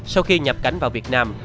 sau khi nhập cảnh vào việt nam